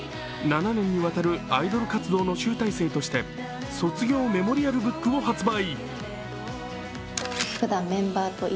７年にわたるアイドル活動の集大成として卒業メモリアルブックを発売。